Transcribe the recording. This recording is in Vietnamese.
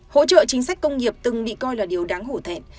hỗ trợ chính sách công nghiệp từng bị coi là điều đáng hổ thẹn